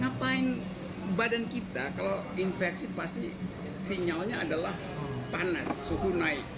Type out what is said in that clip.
ngapain badan kita kalau infeksi pasti sinyalnya adalah panas suhu naik